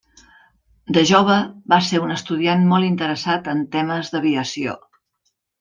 De jove, va ser un estudiant molt interessat en temes d'aviació.